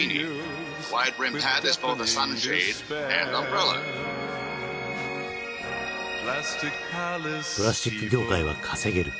プラスチック業界は稼げる。